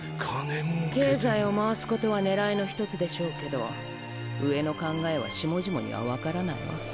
経済を回すことは狙いの１つでしょうけど上の考えは下々には分からないわ。